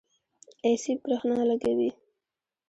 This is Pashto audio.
ایسی برښنا لګوي